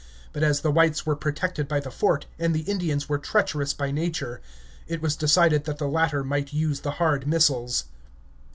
But as the whites were protected by the fort, and the Indians were treacherous by nature, it was decided that the latter might use the hard missiles.